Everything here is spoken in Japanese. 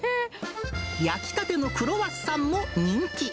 焼きたてのクロワッサンも人気。